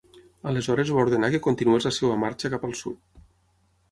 Aleshores va ordenar que continués la seva marxa cap al sud.